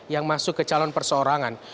yang masuk ke calon perseorangan